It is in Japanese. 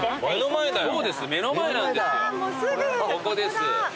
ここですよ